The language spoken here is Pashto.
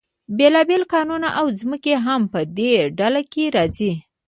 بیلابیل کانونه او ځمکه هم په دې ډله کې راځي.